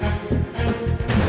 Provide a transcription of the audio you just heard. gak akan kecil